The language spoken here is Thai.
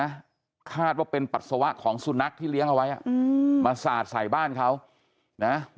คาดว่าเป็นปัสสาวะของสุนัขที่เลี้ยงเอาไว้อ่ะอืมมาสาดใส่บ้านเขานะ